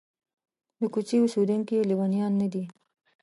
د کوڅې اوسېدونکي لېونیان نه دي.